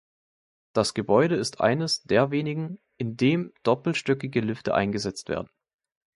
Das Gebäude ist eines der wenigen, in dem doppelstöckige Lifte eingesetzt werden.